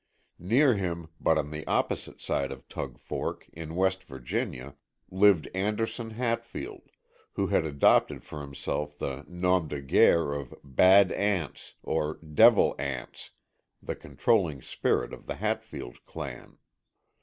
Near him, but on the opposite side of Tug Fork, in West Virginia, lived Anderson Hatfield, who had adopted for himself the nom de guerre of "Bad Anse" or "Devil Anse," the controlling spirit of the Hatfield clan.